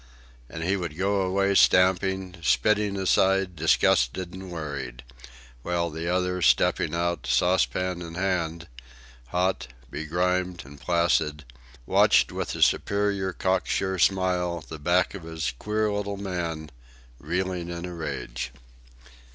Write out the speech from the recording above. And he would go away, stamping, spitting aside, disgusted and worried; while the other, stepping out, saucepan in hand, hot, begrimed and placid, watched with a superior, cock sure smile the back of his "queer little man" reeling in a rage.